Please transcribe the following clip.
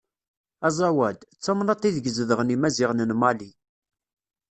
Azawad, d tamennaṭ ideg zedɣen Yimaziɣen n Mali.